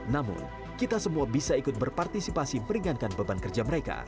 namun kita semua bisa ikut berpartisipasi meringankan beban kerja mereka